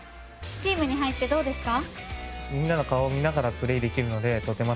チームに入ってどうですか？